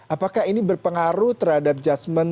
apakah ini berpengaruh terhadap judgement